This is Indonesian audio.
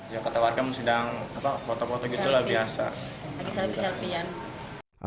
ya kata warga sedang foto foto gitu lah biasa